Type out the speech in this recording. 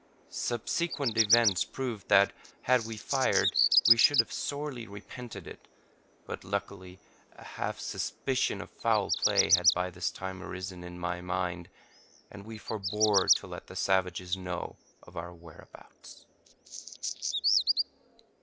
Subsequent events proved that, had we fired, we should have sorely repented it, but luckily a half suspicion of foul play had by this time arisen in my mind, and we forbore to let the savages know of our whereabouts.